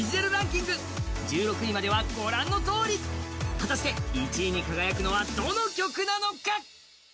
果たして１位に輝くのはどの曲なのか？